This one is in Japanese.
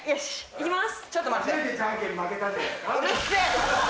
いきます！